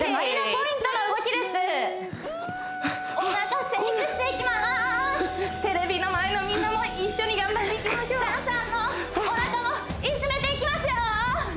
これテレビの前のみんなも一緒に頑張っていきましょうチャンさんのお腹もいじめていきますよ！